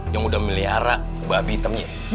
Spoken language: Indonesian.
yang udah melihara babi hitamnya